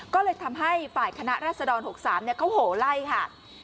ก็เลยทำให้ฝ่ายคณะรัศดร๖๓เขาโหไล่ค่ะ